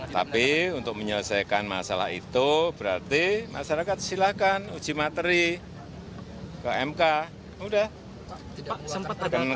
tapi untuk menyelesaikan masalah itu berarti masyarakat silakan uji materi ke mk sudah